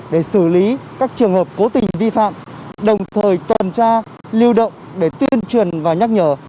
để xử lý các trường hợp cố tình vi phạm đồng thời tuần tra lưu động để tuyên truyền và nhắc nhở